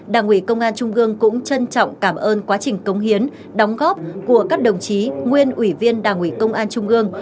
đảng ủy công an trung gương cũng trân trọng cảm ơn quá trình công hiến đóng góp của các đồng chí nguyên ủy viên đảng ủy công an trung ương